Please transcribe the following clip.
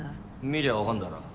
見りゃあ分かんだろ。